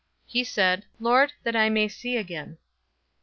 He said, "Lord, that I may see again."